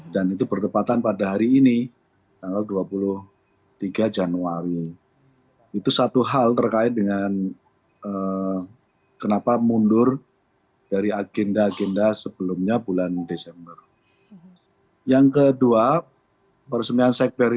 dan itu bertepatan pada hari ini tanggal dua puluh tiga januari